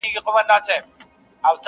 o خواره مي غوښتې، نو نه د لالا د مرگه!